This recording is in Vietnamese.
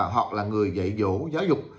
hoặc là người dạy dỗ giáo dục